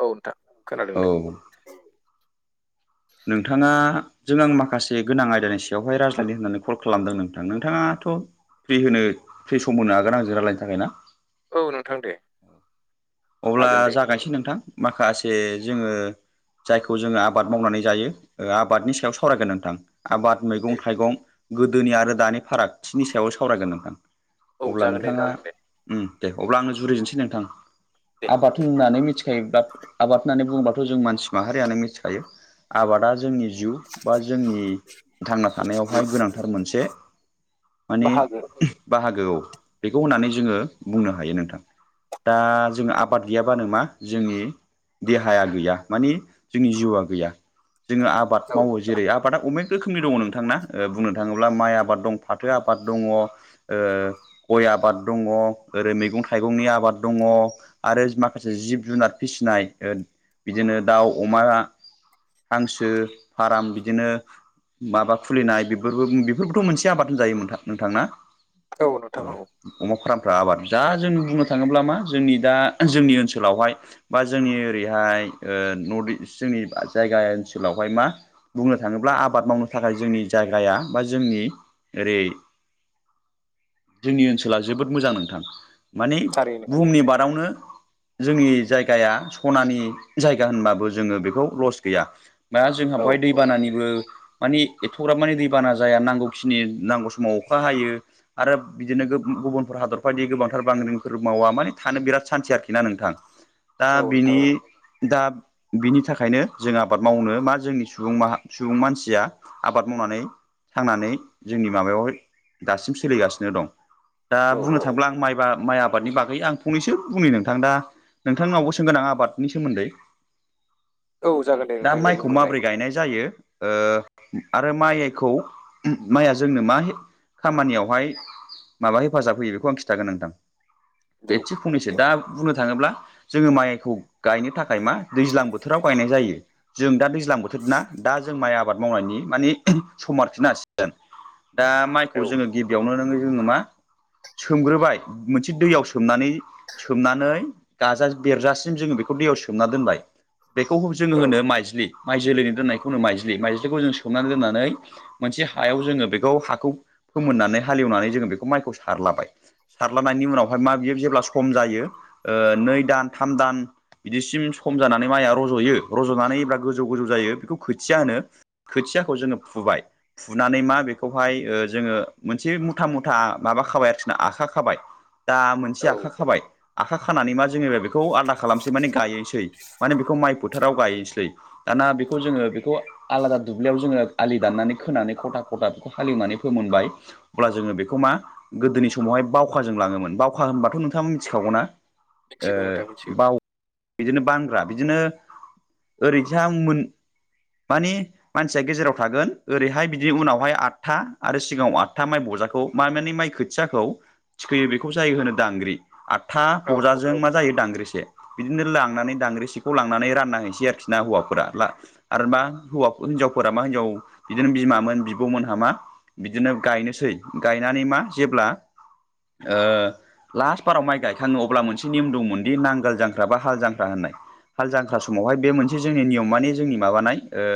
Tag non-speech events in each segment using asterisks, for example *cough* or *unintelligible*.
औ नोंथां खोनादों दे। औ नोंथाङा जों आं माखासे गोनां आयदानि सायावहाय रायज्लायनो होननानै कल खालामदों नोंथां नोंथाङाथ'। फ्रि होनो फ्रि सम होनो हागोन आंजों रायलायनो थाखाय ना? औ नोंथां दे। अब्ला हागोन दे जागायनोसै नोंथां माखासे जोङो। जायखौ जोङो आबाद मावनानै जायो आबादनि सायाव सावरायगोन नोंथां। आबाद मैगं दे थाइगं गोदोनि आरो दानि फारागथिनि सायाव सावरायगोन नोंथां औ अब्ला जागोन दे नोंथाङा नोंथां दे ओम दे अब्ला आङो जुरिनोसै नोंथां दे आबाद होननानै मिथि *unintelligible* आबाद होननानै बुङोबाथ' जों मानसि माहारियानो मिथिखायो आबादा जोंनि जिउ बा जोंनि थांना थानायावहाय गोनांथार मोनसे माने बाहागो बाहागोआव बेखौ होननानै जोङो बुंनो हायो नोंथां दा जोंहा आबाद गैयाबानो मा जोंनि देहाया गैया मानि जोंनि जिउआ गैया जोङो आबाद औ मावो जेरै आबादा अनेक रोखोमनि दङ नोंथां ना बुंनो थाङोब्ला माइ आबाद दं फाथो आबाद दङ ओ गय आबाद दङ ओरै मैगं थाइगंनि आबाद दङ आरो माखासे जिब जुनार फिसिनाय बिदिनो दाउ अमा हांसो फाराम बिदिनो माबा खुलिनाय बेफोरबो बेफोरबोथ' मोनसे आबाद होनजायो नोंथां नोंथां ना औ अमा फ्रामफोरा आबाद जा जोंनि बुंनो थाङोब्ला मा जोंनि दा जोंनि ओनसोलावहाय बा जोंनि ओरैहाय ओ नर्थ इस्ट जोंनि जायगा ओनसोलावहाय मा बुंनो थाङोब्ला आबाद मावनो थाखाय जोंनि जायगाया बा जोंनि ओरै जोंनि ओनसोला जोबोद मोजां नोंथां माने थारैनो बुहुमनि मादावनो जोंनि जायगाया सनानि जायगा होनबाबो जोङो बेखौ लस गैया दा जोंहा औ बेहाय औ दैबानानिबो मानि एथ'ग्राब मानि दैबाना जाया नांगौखिनि नांगौ समाव अखा हायो आरो बिदिनो गुबुनफोर हादर बायदि गोबांथार बांग्रिफोर मावा माने थानो बिराद सान्थि आरो खिना नोंथां दा औ नोंथां बिनि औ दा बिनि थाखायनो जों आबाद मावनो बा जोंनि सुबुं माहा सुबुं मानसिया आबाद मावनानै थांनानै जोंनि माबायावहाय दासिम सोलिगासिनो दं दा औ बुंनो औ थाङोब्ला आं माइ माइ आबादनि बागै आं फंनैसो बुंनो नोंथां दा नोंथांनावबो सोंगोन आं आबादनि सोमोन्दै औ जागोन दे दा नोंथां दे माइखौ बुंग्रोनाय माबोरै गायनाय जायो ओ आरो माइखौ माइया जोंनो मा खामानियावहाय माबा हेफाजाब होयो बेखौ आं खिन्थागोन नोंथां बे दे औ एसे फंनैसो दे दा बुंनो थाङोब्ला जोङो माइखौ गायनो थाखाय मा दैज्लां बोथोराव गायनाय जायो जों दा दैज ज्लां बोथोरना दा जों माइ आबाद मावनायनि मानि समा आरोखिना सिजोन दा माइ खौ औ जोङो गिबियावनो नोङो जोङो मा सोमग्रोबाय मोनसे दैयाव सोमनानै सोमनानै गाजा बेरजासिम जोङो बेखौ दैयाव सोमना दोनबाय बेखौ जोङो औ होनो माइज्लि माइ जोलैनो दोननायखौ होनो माइज्लि माइज्लिखौ जों सोमनानै दोननानै मोनसे हायाव जोङो बेखौ हाखौ फोमोननानै हालेवनानै जोङो बेखौ माइखौ सारलाबाय सारलानायनि उनावहाय मा बियो जेब्ला सम जायो नै दान थाम दान बिदिसिम सम जानानै माइआ रज'यो रज'नानै जेब्ला गोजौ गोजौ जायो बेखौ खोथिया होनो खोथियाखौ जोङो फुबाय फुनानै मा बेखौहाय ओ जोङो मोनसे मुथा मुथा माबा खाबाय आरोखिना आखा खाबाय दा औ मोनसे आखा खाबाय आखा खानानै मा जेनेबा बेखौ आलदा खालामसै माने गायनोसै माने बेखौ माइ फोथाराव गायनोसै दाना बेखौ जोङो बेखौ आलादा दुब्लियाव जोङो आलि दाननानै खोनानै खथा खथा बेखौ हालेवनानै फोमोनबाय अब्ला जोङो बेखौ मा गोदोनि समावहाय बावखाजों लाङोमोन बावखा होनबाथ' नोंथाङा मिथिखागौ ना ओ मिथिगौ नोंथां मिथिगौ बाव बिदिनो बानग्रा बिदिनो ओरैसां मोन मानि मानसिया गेजेराव थागोन ओरैहाय बिदि उनावहाय आदथा आरो सिगाङाव आदथा माइ बजाखौ मा मानि माइ खो खोथियाखौ थिखोयो बेखौ जायो होनो दांग्रि आदथा औ बजाजों मा जायो दांग्रिसे बिदिनो लांनानै दांग्रिसेखौ लांनानै रानना हैनिसै आरोखि ना हौवाफोरा ला आरो मा हौवा हिनजावफोरा मा हिनजाव बिदिनो बिमामोन बिब'मोनहा मा बिदिनो गायनोसै गायनानै मा जेब्ला ओ लास्ट बाराव माइ गाय खाङो अब्ला मोनसे नियम दंमोन दि नांगोल जांख्रा बा हाल जांख्रा होननाय हाल जांख्रा समावहाय बे मोनसे जोंनि नियम मानि जोंनि माबानाय ओ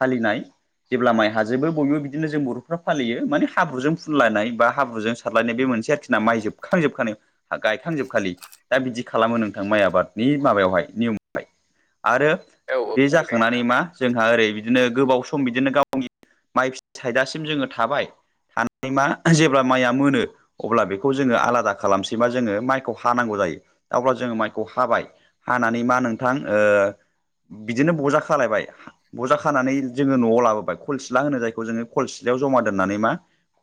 फालिनाय जेब्ला माइ हाजोबो बयबो बिदिनो जों बर'फ्रा फालियो माने हाब्रुजों फुनलायनाय बा हाब्रुजों सारलायनाय बे मोनसे आरोखिना माइ जोबखांजोबनानै गायखांजोबखालि दा बिदि खालामो नोंथां माइ आबादनि माबायावहाय नियमावहाय आरो औ औ बे थारैनो जाखांनानै नोंथां मा औ जोंहा ओरै बिदिनो गोबाव स सम बिदिनो गावनि माइ फि *inaudible* थाइजासिम जोङो थाबाय थानानै मा जेब्ला माइया मोनो अब्ला बेखौ जोङो आलादा खालामसै मा जोङो माइखौ हानांगौ जायो अब्ला जोङो माइखौ हाबाय हानानै मा नोंथां ओ बिदिनो बजा खालायबाय बजा खानानै जोङो न'आव लाबोबाय खलसिला होनो जायखौ जोङो खलसिलायाव ज'मा दोन्नानै मा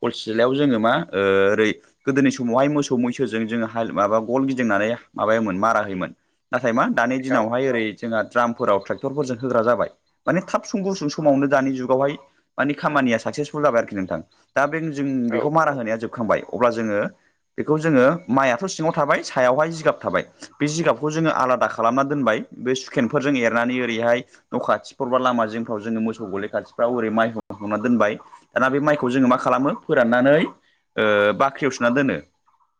खलसिलायाव जोङो मा ओ ओरै गोदोनि समावहाय मोसौ-मैसो जों जोङो हाल माबा गल गिदिंनानै माबायोमोन मारा होयोमोन नाथाय मा दानि औ दिनावहाय ओरै जोंहा ड्रामफोराव ट्रेक्टरफोरजों होग्रा जाबाय माने थाब सुं गुसुं समावनो दानि जुगावहाय मानि खामानिया साक्सेसफुल जाबाय आरोखि नोंथां दा बे जों औ बिखौ मारा होनाया जोबखांबाय अब्ला जोङो बेखौ जोङो माइयाथ' सिङाव थाबाय सायावहाय जिगाब थाबाय बे जिगाबखौ जोङो आलादा खालामना दोनबाय बे सुखेनफोरजों एरनानै ओरैहाय न' खाथिफोरबा लामा जिंफ्राव जोङो मोसौ गलि खाथिफ्राव ओरै माइहुं हुंना दोनबाय दाना बे माइखौ जोङो मा खालामो फोराननानै ओ बाख्रियाव सोना दोनो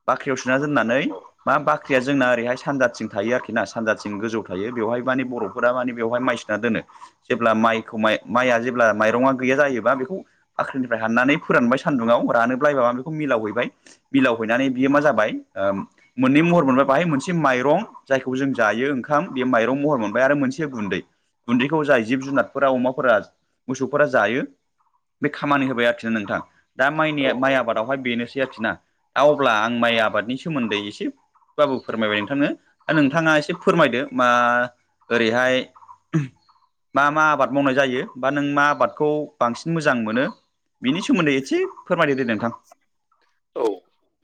बाख्रियाव सोना दोननानै मा बाख रिया जोंना ओरैहाय सानजाथिं थायो आरोखि ना सानजाथिं गोजौ थायो बेवहाय माने बर'फोरा माने बेवहाय माइ सोना दोनो जेब्ला माइखौ माइ माइआ जेब्ला माइरङा गैया जायोबा बेखौ बाख्रिनिफ्राय हाननानै फोरानबाय सान्दुंङाव रानोब्ला माबा बेखौ मिलाव हैबाय मिलाव हैनानै बियो मा जाबाय ओ मोननै महर मोनबाय बाहाय मोनसे माइरं जायखौ जों जायो ओंखाम बे माइरं महर मोनबाय आरो मोनसे गुनदै गुनदैखौ जाय जिब-जुनारफोरा अमाफोरा, मोसौफोरा जायो बे खामानि होबाय आरोखि ना नोंथां दा माइनि औ औ माइ आबादावहाय बेनोसै आरोखि ना दा अब्ला आं माइ आबादनि सोमोनदै इसे बाबु फोरमायबाय नोंथांनो नोंथाङा एसे फोरमायदो मा ओरैहाय मा मा आबाद मावनाय जायो बा नों मा आबादखौ बांसिन मोजां मोनो बिनि सोमोनदै इसे फोरमायदो दे नोंथां औ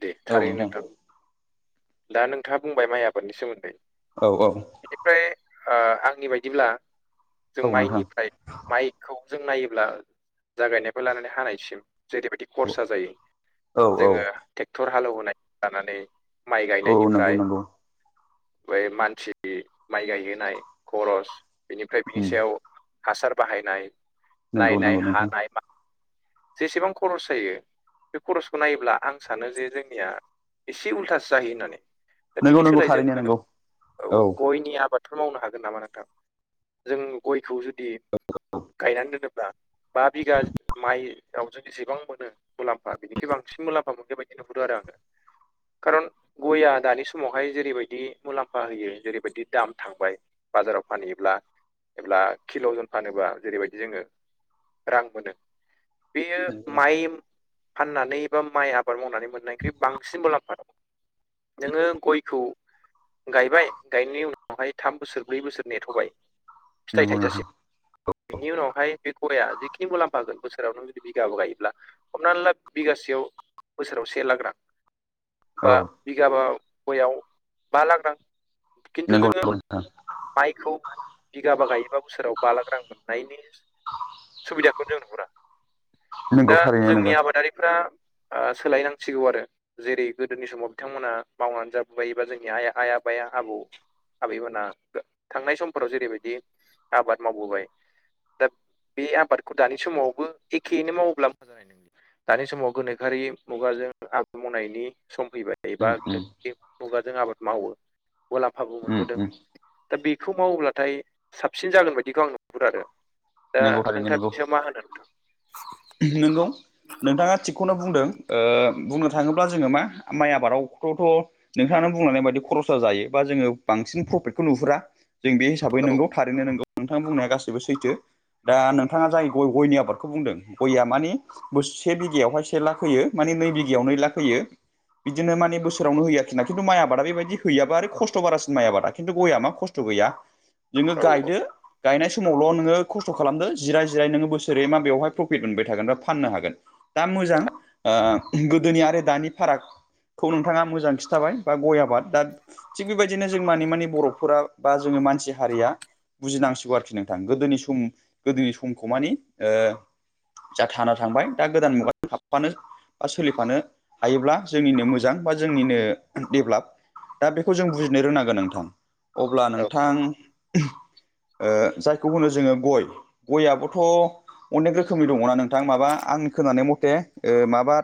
दे थारैनो नोंथां दा नोंथाङा बुंबाय माइ आबादनि सोमोनदै औ औ बिनिफ्राय ओ आंनि बायदिब्ला जों औ नोंथां माइनिफ्राय माइखौ जों नायोब्ला जागायनायनिफाय लानानै हानायसिम जेरैबायदि खरसा जायो औ औ जोङो ट्रेक्टर हालेवहोनाय लानानै माइ औ नंगौ गायनायनिफ्राय नंगौ बै मानसि माइ गायहोनाय खर'स बेनिफ्राय बिनि उम सायाव हासार बाहायनाय नंगौ नायनाय नंगौ नोंथां हानाय बा जेसेबां खर'स जायो बे खर'सखौ नायोब्ला आं सानो जे जोंनिया इसे उल्था जायो होननानै दा नंगौ बिनि नंगौ सोलाय थारैनो जोङो नंगौ औ गयनि आबाद मावनो हागोन नामा नोंथां जों गयखौ जुदि गायनानै दोनोब्ला बा बिगा माइयाव जि जेसेबां मोनो मुलामफा बिनिखै बांसिन मुलामफा मोनगोन बेबायदिनो नुहरो आरो आङो खारन गयआ दानि समावहाय जेरैबायदि मुलामफा होयो जेरैबायदि दाम थांबाय बाजाराव फानहैयोब्ला एबा किलावजन फानोबा जेरैबायदि जोङो रां मोनो बेयो माइ फाननानै एबा माइ आबाद मावनानै मोननायनिख्रुइ बांसिन मुलाम्फा द नोङो गयखौ गायबाय गायनायनि उनावहाय थाम बोसोर ब्रै बोसोर नेथ'बाय फिथाइ नंगौ नोंथां थायजासे बिनि उनावहाय बे गया जिखिनि मुलामफागोन बोसोरावनो जुदि बिघाबो गायोब्ला हमनानै ला बिगासेयाव बोसोराव से लाग रां बा औ बिगाबा गयाव बा लाख रां खिन्थु नोंगौ जोङो नंगौ नोंथां माइखौ बिगाबा गायोबा बोसोराव बा लाख रां मोननायनि सुबिदाखौनो जों नुहुरा नंगौ दा थारैनो नंगौ जोंनि आबादारिफ्रा आ सोलायनांसिगौ आरो जेरै गोदोनि समाव बिथांमोना मावनानै जाबोबाय बा जोंनि आइ आइ आफाया आबौ आबैमोनहा थांनाय समफोराव जेरैबायदि आबाद मावबोबाय दा बे आबादखौ दानि समावबो एखेयैनो मावोब्ला मोजां जानाय नङा दानि समाव गोनोखोयारि मुगाजों आबाद मावनायनि सम फैबाय एबा उम उम गोनोखोयारि मुगाजों आबाद मावो मुलामफाबो उम मोनबोदों उम दा बेखौ मावोब्लाथाय साबसिन जागोन बायदिखौ आं नुहुरो आरो दा नंगौ थारैनो नोंथाङा नंगौ बिनि सायाव मा होनो नंगौ नोंथां नोंथाङा थिगखौनो बुंदों ओ बुंनो थाङोब्ला जोङो मा माइ आबादावथथ' नोंथाङानो बुंलनाय बायदि खरसा जायो बा जोङो बांसिन प्रफिटखौ नुहुरा जों बे हिसाबै औ नोंगौ थारैनो नोंगौ नोंथां बुंनाया गासैबो सैथो दा नोंथाङा जाय गय गयनि आबादखौ बुंदों गयआ मानिे बो से बिघायावहाय से लाख होयो माने नै बिघायाव नै लाख होयो बिदिनो माने बोसारावनो होयो आरोखिना खिनथु माइ आबादा बेबायदि होयोाबा आरो खसथ' बारसिन म आाद खिनथु गया म खसथ' गैया नोङो औ गायदो गायनाय समावल' नोङो खसथ' खालामदो जिराय जिराय नोङो बोसोरै मा बेवहाय प्रफिट मोनबाय थागोन बा फाननो हागोन दा मोजां ओ गोदोनि आरो दानि फाराग खौ नोंथाङा मोजां खिनथाबाय बा गय आबाद दा थिग बेबायदिनो जों मानि मानि बर'फोरा बा जोङो मानसि हारिया बुजिनांसिगौ आरोखि नोंथां गोदोनि सम सम गोदोनि समखौ माने ओ जा थाना थांबाय दा गोदान मुगाजों थाफानो बा सोलिफानो हायोब्ला जोंनिनो मोजां बा जोंनिनो डेभलप दा बेखौ जों बुजिनो रोंनांगोन नोंथां अब्ला औ नोंथां ओ जायखौ होनो जोङो गय गयाबोथ' अनेक रोखोमनि दङना नोंथां माबा आंनि खोनानाय मथे माबा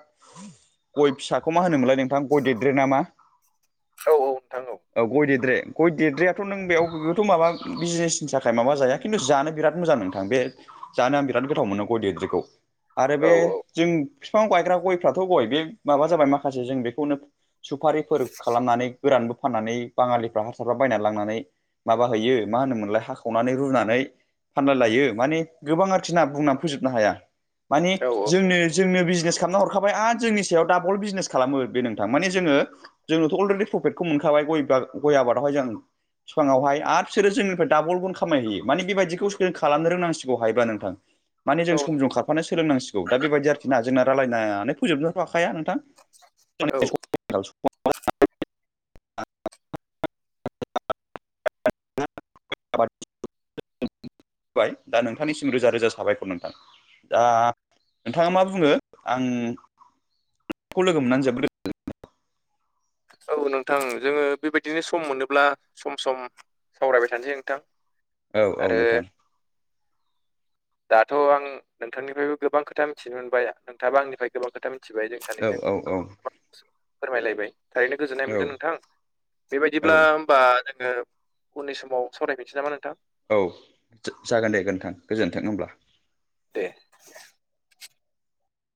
गय फिसाखौ मा होनोमोनलाय नोंथां गय देद्रे नामा औ औ नोंथां औ औ गय देरद्रे गय देद्रायथ' नों बेयावथ' माबा बिजनेसनि थाखाय माबा जाया खिनथु जानो बिराद बिराद मोजां नोंथां बे जानो आं बिराद गोथाव मोनो गय दद्रेखौ आरो औ बे जों बिफां गायग्रा गयफ्राथ' गय बे माबा जाबाय माखासे जों बेखौनो सुफारिफोर खालामनानै गोरानबो फाननानै बाङालिफ्रा हारसाारफ्रा बायना लांनानै माबा हैयो मा होनोमोनलाय हाखावनानै रुनानै फानलाय लायो माने गोबां आरोखिना बुंनानै फोजोबनो हाया माने औ जोंनो जोंनो बिजनेस खालामना हरखाबाय आरो जोंनि सायाव डाबल बिजनेस खालामो बे नोंथां माने जोङो जोंनोथ' अलरेडि प्रफिटखौ मोनखाबाय गय गय आबादावहाय जों सिगाङावहाय आरो बिसोरो जोंनिफ्राय डाबल गुन खामायहैयो माने बेबायदिखौ खालामनो रोंनांसिगौ हायोबा नोंथां माने औ जों सम ज खारफानो सोलोंनांसिगौ दा बेबायदि आरोखि ना जोंना रायलायनानै फोजोबनोथ हाखाया नोंथां औ दा नोंथांनिसिम रोजा रोजा साबायखर नोंथां दा नोंथाङा मा बुङो आं नोंखौ लोगो मोननानै जोबोद औ नोंथां जोङो बेबायदिनो सम मोनोब्ला सम सम सावरायबाय थानोसै नोंथां औ औ आरो नोंथां दाथ' आं नोंथांनिफ्रायबो गोबां खोथा मिथिनो मोनबाय नोंथाङाबा आंनिफ्राय गोबां खोथा मिथिबाय जों सानै औ जों औ औ फोरमायलायबाय थारैनो गोजोननाय मोनदों औ नोंथां बेबायदिब्ला औ होनबा जोङो उननि समाव सावरायफिननोसै नामा नोंथां औ जागोन दे नोंथां गोजोन्थों होमब्ला दे